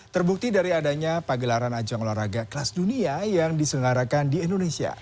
terbukti dari adanya pagelaran ajang olahraga kelas dunia yang disengarakan di indonesia